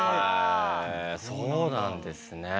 へえそうなんですね。